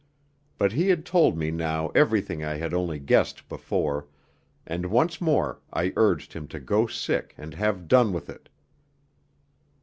But he had told me now everything I had only guessed before, and once more I urged him to go sick and have done with it.